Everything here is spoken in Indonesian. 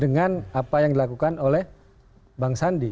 dengan apa yang dilakukan oleh bang sandi